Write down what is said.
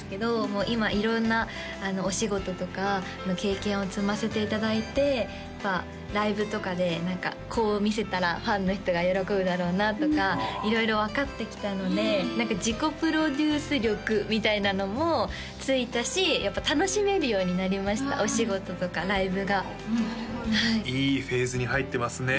もう今色んなお仕事とかの経験を積ませていただいてやっぱライブとかでこう見せたらファンの人が喜ぶだろうなとか色々分かってきたので何か自己プロデュース力みたいなのもついたしやっぱ楽しめるようになりましたお仕事とかライブがなるほどいいフェーズに入ってますね